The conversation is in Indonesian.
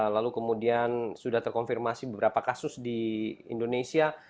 lalu kemudian sudah terkonfirmasi beberapa kasus di indonesia